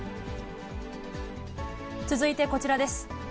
続いてこちらです。